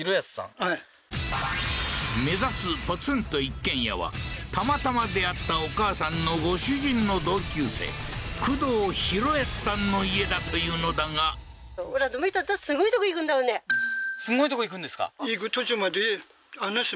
はい目指すポツンと一軒家はたまたま出会ったお母さんのご主人の同級生クドウヒロヤスさんの家だというのだがすごい所行くんですか？